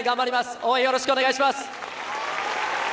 応援よろしくお願いします。